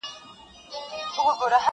صوفي او حاکم!.